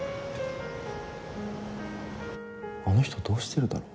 あの人どうしてるだろ。